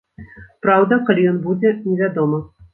Праўда, калі ён будзе, невядома.